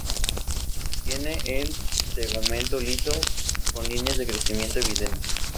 Tiene el tegumento liso, con líneas de crecimiento evidentes.